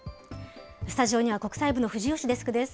スタジオには国際部の藤吉デスクです。